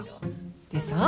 でさ